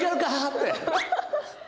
って。